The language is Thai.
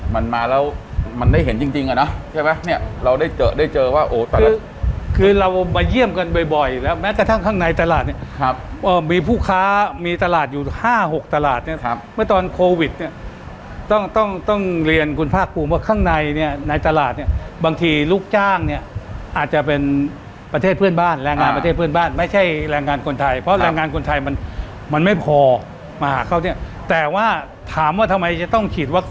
มันมาแล้วมันได้เห็นจริงจริงอะนะใช่ไหมเนี่ยเราได้เจอได้เจอว่าคือคือเรามาเยี่ยมกันบ่อยแล้วแม้กระทั่งข้างในตลาดครับว่ามีผู้ค้ามีตลาดอยู่ห้าหกตลาดเนี่ยครับเมื่อตอนโควิดเนี่ยต้องต้องต้องเรียนคุณภาคกลุมว่าข้างในเนี่ยในตลาดเนี่ยบางทีลูกจ้างเนี่ยอาจจะเป็นประเทศเพื่อนบ้านแรงงาน